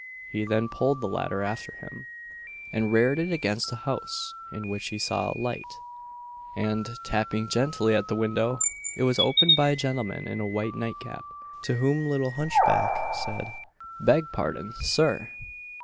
He then pulled the ladder after him, and reared it against a house in which he saw a light; and, tapping gently at the window, it was opened by a gentleman in a white nightcap, to whom little hunchback said, "Beg pardon, Sir!